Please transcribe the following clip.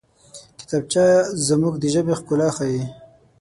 کتابچه زموږ د ژبې ښکلا ښيي